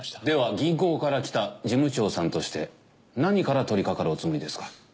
では銀行から来た事務長さんとして何から取りかかるおつもりですか？